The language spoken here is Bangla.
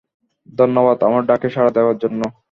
ধন্যবাদ আমার ডাকে সাড়া দেওয়ার জন্য।